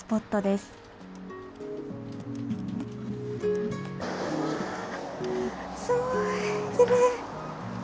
すごいきれい。